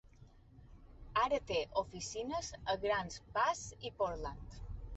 Ara té oficines a Grants Pass i Portland.